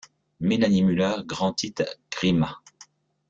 Melanie Müller grandit à Grimma.